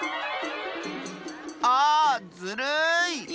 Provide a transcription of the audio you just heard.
ああずるい！